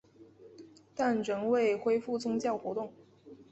但仍未恢复宗教活动。